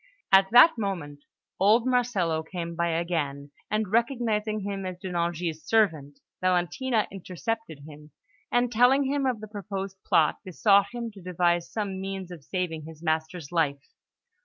At that moment, old Marcello came by again; and, recognising him as De Nangis' servant, Valentina intercepted him, and, telling him of the proposed plot, besought him to devise some means of saving his master's life.